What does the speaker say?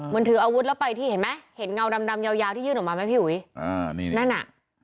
มันถืออาวุธแล้วไปที่เห็นไหมเห็นเงาดำดำยาวยาวที่ยื่นออกมาไหมพี่อุ๋ยอ่านี่นั่นอ่ะ